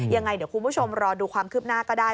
ยังไงเดี๋ยวคุณผู้ชมรอดูความคืบหน้าก็ได้